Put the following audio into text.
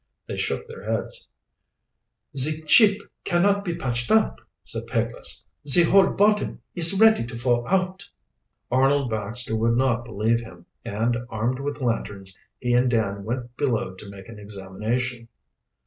They shook their heads. "Ze ship cannot be patched up," said Peglace. "Ze whole bottom ees ready to fall out." Arnold Baxter would not believe him, and armed with lanterns he and Dan went below to make an examination.